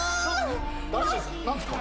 誰ですか？